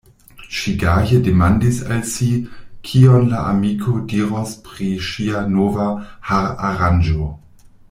Ŝi gaje demandis al si, kion la amiko diros pri ŝia nova hararanĝo.